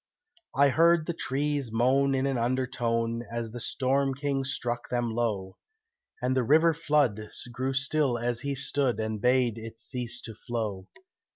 I heard the trees moan in an undertone As the storm king struck them low, And the river flood grew still as he stood And bade it cease to flow.